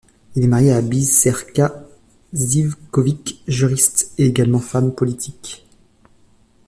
Il est marié à Biserka Živković, juriste et également femme politique.